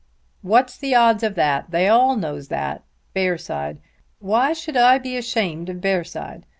"What's the odds of that? They all knows that. Bearside! Why should I be ashamed of Bearside?